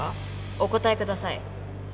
お答えください。